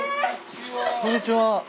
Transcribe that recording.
こんにちは。